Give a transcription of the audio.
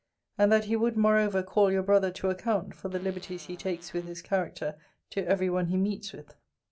And that he would moreover call your brother to account for the liberties he takes with his character to every one he meets with.